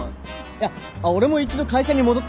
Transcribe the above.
いやあっ俺も一度会社に戻って。